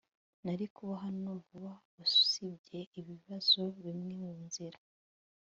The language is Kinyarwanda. nari kuba hano vuba usibye ibibazo bimwe munzira